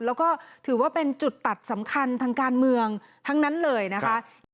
แล้วก็ถือว่าเป็นจุดตัดสำคัญทางการเมืองทั้งนั้นเลยนะคะ